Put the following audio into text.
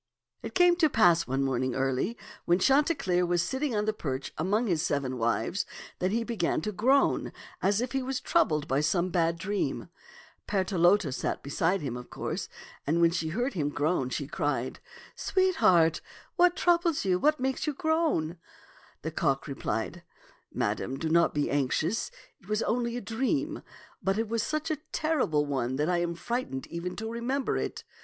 '* It came to pass one morning early, when Chanti cleer was sitting on the perch among his seven wives, that he began to groan as if he was troubled by some bad dream. Partelote sat beside him, of course, and 90 t^t (nm'0 ^xk0f$ t<xk when she heard him groan, she cried, " Sweetheart, what troubles you ? What makes you groan ?" The cock repHed, " Madame, do not be anxious ; it was only a dream, but it was such a terrible one that I am frightened even to remember it.